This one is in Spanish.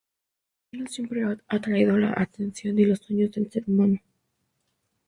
El cielo siempre ha atraído la atención y los sueños del ser humano.